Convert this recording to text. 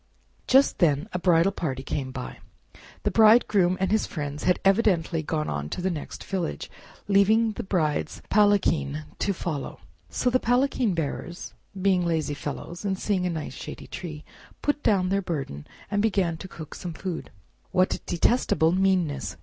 Just then a bridal party came by. The Bridegroom and his friends had evidently gone on to the next village, leaving the Bride's palanquin to follow; so the palanquin bearers, being lazy fellows and seeing a nice shady tree, put down their burden, and began to cook some food. "What detestable meanness!"